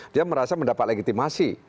dia merasa mendapat legitimasi